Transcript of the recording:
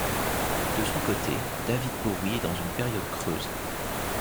De son côté, David Bowie est dans une période creuse.